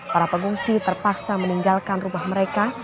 para pengungsi terpaksa meninggalkan rumah mereka